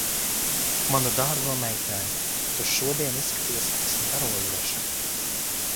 Manu dārgo meitēn, tu šodien izskaties starojoša.